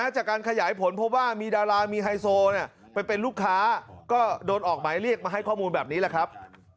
จากการขยายผลเพราะว่ามีดารามีไฮโซไปเป็นลูกค้าก็โดนออกหมายเรียกมาให้ข้อมูลแบบนี้แหละครับ